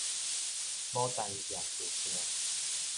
牡丹社事件